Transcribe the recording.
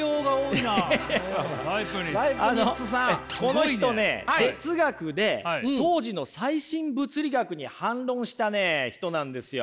あのこの人ね哲学で当時の最新物理学に反論したね人なんですよ。